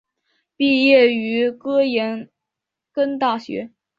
毕业于哥廷根大学。